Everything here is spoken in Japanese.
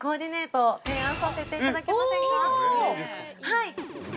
◆はい。